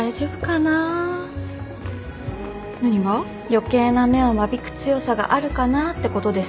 余計な芽を間引く強さがあるかなってことです。